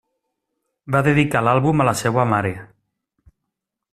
Va dedicar l'àlbum a la seva mare.